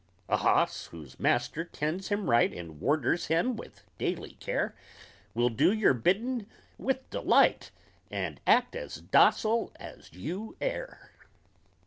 A hoss whose master tends him right And worters him with daily care, Will do your biddin' with delight, And act as docile as you air.